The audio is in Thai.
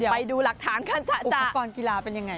ไปดูหลักฐานการจัดอุปกรณ์กีฬาเป็นยังไง